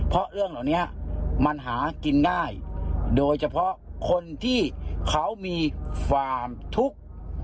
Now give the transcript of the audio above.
เพราะเรื่องเหล่านี้มันหากินได้โดยเฉพาะคนที่เขามีความทุกข์